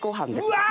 うわ！